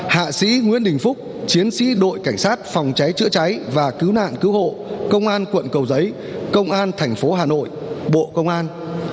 hạ sĩ nguyễn đình phúc chiến sĩ đội cảnh sát phòng cháy chữa cháy và cứu nạn cứu hộ công an quận cầu giấy công an thành phố hà nội bộ công an